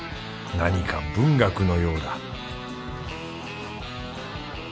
何か文学のようだ